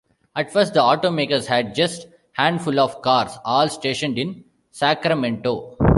At first, the automakers had just handful of cars all stationed in Sacramento.